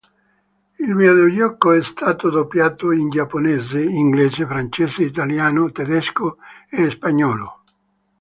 Il videogioco è stato doppiato in giapponese, inglese, francese, italiano, tedesco e spagnolo.